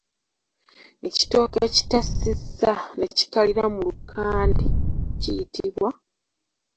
Ekitooke ekitassizza ne kikalira mu lukande kiyitibwa?